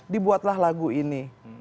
dibuatlah lagu ini